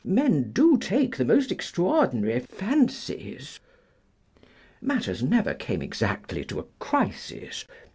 Men do take the most extraordinary fancies." Matters never came exactly to a crisis.